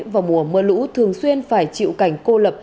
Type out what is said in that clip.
vào mùa mưa lũ thường xuyên phải chịu cảnh cô lập